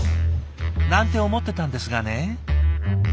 なんて思ってたんですがね。